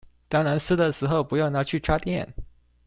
當然濕的時候不要拿去插電